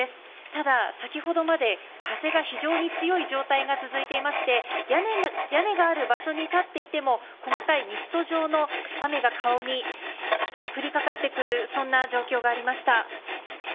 ただ、先ほどまで風が非常に強い状態が続いていまして屋根がある場所に立っていても細かいミスト状の雨が顔に降りかかってくるそんな状況がありました。